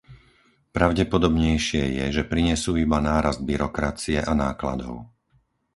Pravdepodobnejšie je, že prinesú iba nárast byrokracie a nákladov.